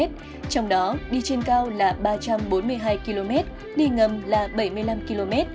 trong đó đi trên cao là ba trăm bốn mươi hai km đi ngầm là bảy mươi năm km